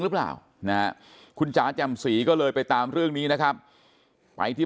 หรือเปล่านะคุณจ๋าแจ่มสีก็เลยไปตามเรื่องนี้นะครับไปที่